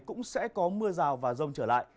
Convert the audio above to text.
cũng sẽ có mưa rào và rông trở lại